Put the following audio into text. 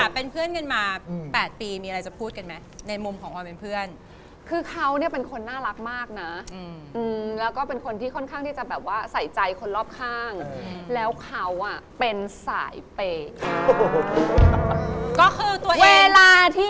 พอเรามาเพื่อนก็คงจะเจ็บแล้วแหละ